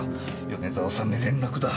米沢さんに連絡だ。